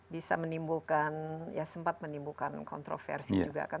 bisa menimbulkan ya sempat menimbulkan kontroversi juga kan